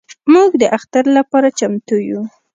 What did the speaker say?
موږ د اختر لپاره چمتو یو.